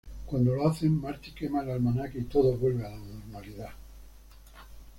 Cuando lo hacen, Marty quema el almanaque y todo vuelve a la normalidad.